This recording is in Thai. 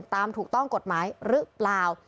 ถูกต้องกฎหมายหรือเปล่า